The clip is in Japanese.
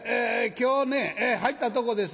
今日ね入ったとこですわ。